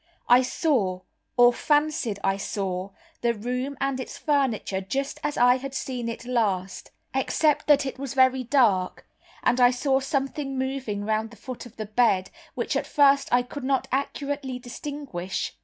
I saw, or fancied I saw, the room and its furniture just as I had seen it last, except that it was very dark, and I saw something moving round the foot of the bed, which at first I could not accurately distinguish.